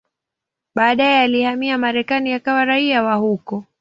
Baadaye alihamia Marekani akawa raia wa huko.